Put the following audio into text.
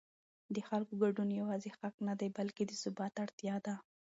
د خلکو ګډون یوازې حق نه دی بلکې د ثبات اړتیا ده